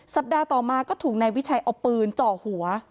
สัปดาห์ต่อมาก็ถูกนายวิชัยเอาปืนเจาะหัว